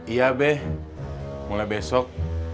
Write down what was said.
iya be mulai besok